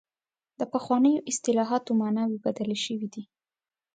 د پخوانیو اصطلاحاتو معناوې بدلې شوې دي.